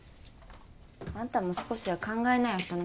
あんたも少しは考えなよ